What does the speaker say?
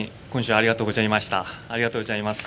ありがとうございます。